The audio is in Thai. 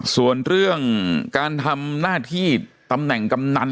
ส่วนเรื่องการทำหน้าที่ตำแหน่งกำนัน